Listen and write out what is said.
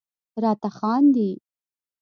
راته خاندي..